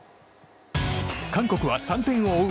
韓国は３点を追う